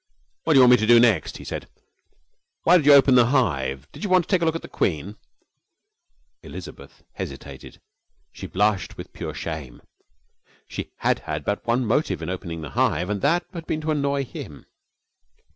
'What do you want me to do next?' he said. 'Why did you open the hive? Did you want to take a look at the queen?' Elizabeth hesitated. She blushed with pure shame. She had had but one motive in opening the hive, and that had been to annoy him.